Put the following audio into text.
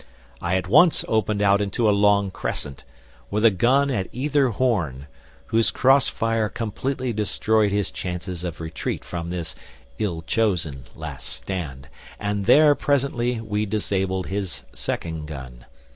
I at once opened out into a long crescent, with a gun at either horn, whose crossfire completely destroyed his chances of retreat from this ill chosen last stand, and there presently we disabled his second gun.